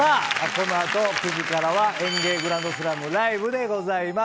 この後９時からはＥＮＧＥＩグランドスラムライブでございます。